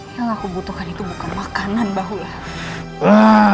yang aku butuhkan itu bukan makanan bahullah